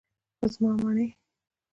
زما منی.